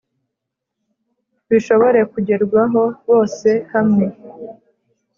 bishobore kugerwaho, bose hamwe